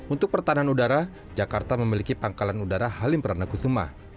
untuk pertahanan udara jakarta memiliki pangkalan udara halim pranagusuma